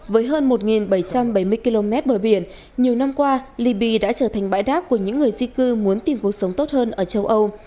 với hơn một bảy trăm bảy mươi km bờ biển nhiều năm qua libya đã trở thành bãi đáp của những người di cư muốn tìm cuộc sống tốt hơn ở châu âu